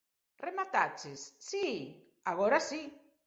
Remataches? Si? Agora si.